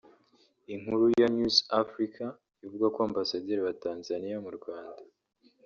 Inkuru ya News Africa ivuga ko Ambasaderi wa Tanzania mu Rwanda